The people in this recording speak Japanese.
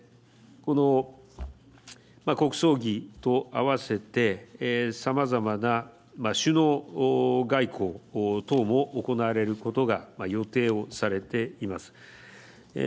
国葬議とあわせてさまざまな首脳外交等も行われることが予定をされています。